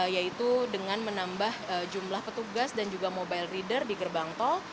yaitu dengan menambah jumlah petugas dan juga mobile reader di gerbang tol